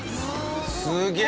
すげえ！